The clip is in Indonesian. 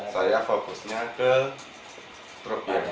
saya fokusnya ke truk yang loko disitu